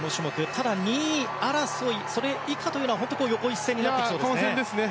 ただ２位争いそれ以下というのは横一線になってきそうですね。